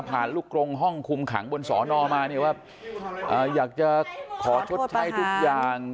ลูกกรงห้องคุมขังบนสอนอมาเนี่ยว่าอยากจะขอชดใช้ทุกอย่าง